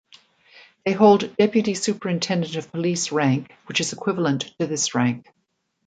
They hold Deputy Superintendent of Police rank which is equivalent to this rank.